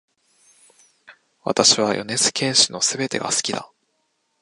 私は米津玄師の全てが好きだ